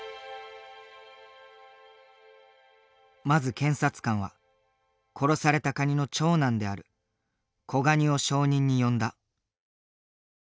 まず検察官は殺されたカニの長男である子ガニを証人に呼んだ。